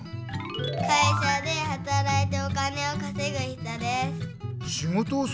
会社ではたらいてお金をかせぐ人です。